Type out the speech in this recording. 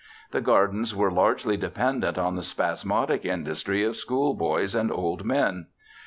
The gardens were largely dependent on the spasmodic industry of schoolboys and old men.